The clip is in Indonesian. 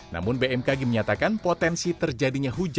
namun bmkg menyatakan potensi terjadinya hujan